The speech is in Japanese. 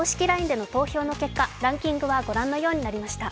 ＬＩＮＥでの投票の結果、ランキングはこうなりました。